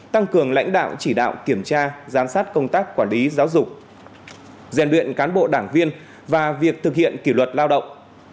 tăng cường lãnh đạo chỉ đạo kiểm tra giám sát công tác quản lý giáo dục rèn luyện cán bộ đảng viên và việc thực hiện kỷ luật lao động